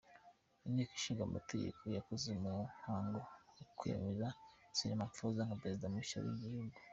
Inteko ishinga amategeko yakoze umuhango wo kwemeza Cyril Ramaphosa nka Perezida mushya w’igihugu.